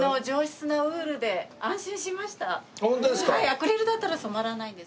アクリルだったら染まらないんです。